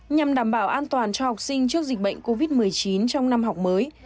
nhằm đảm bảo an toàn cho học sinh trước dịch bệnh covid một mươi chín trong năm học mới